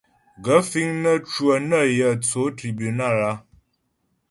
Gaə̂ fíŋ nə́ cwə nə yə̂ tsó tribúnal a ?